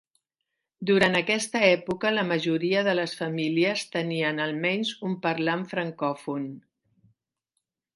Durant aquesta època la majoria de les famílies tenien almenys un parlant francòfon.